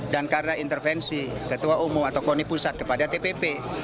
dan karena intervensi ketua umum atau koni pusat kepada tpp